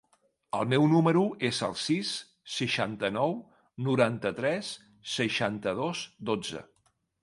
El meu número es el sis, seixanta-nou, noranta-tres, seixanta-dos, dotze.